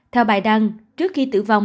theo bài đăng trước khi tử vong